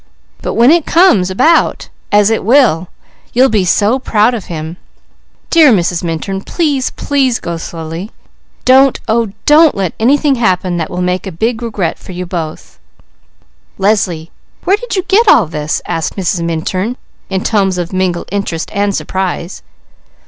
But when it comes about, as it will, you'll be so proud of him! Dear Mrs. Minturn, please, please go slowly! Don't, oh don't let anything happen that will make a big regret for both." "Leslie, where did you get all this?" asked Mrs. Minturn in tones of mingled interest and surprise.